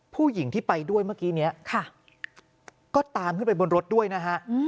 ผู้หญิงที่ไปด้วยเมื่อกี้นี้ก็ตามขึ้นไปบนรถด้วยนะฮะ